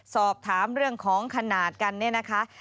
สอบถามเรื่องของขนาดกันเนี่ยนะคะ